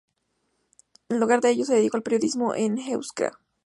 En lugar de ello se dedicó al periodismo en euskera.